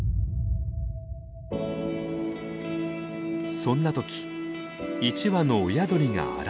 そんな時１羽の親鳥が現れました。